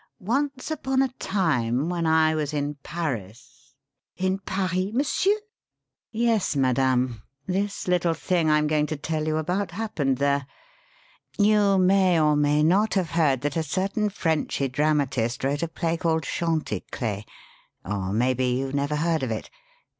Once upon a time when I was in Paris " "In Paris, monsieur?" "Yes, madame this little thing I'm going to tell you about happened there. You may or may not have heard that a certain Frenchy dramatist wrote a play called Chanticler or maybe you never heard of it?